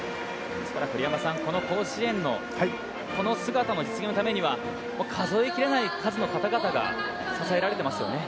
この甲子園のこの姿の実現のためには数えきれない数の方々が支えられてますよね。